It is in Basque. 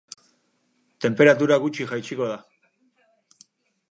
Tenperatura gutxi jaitsiko da.